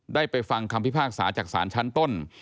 ไปฟังคำพิพากษาจากศาลชั้นต้น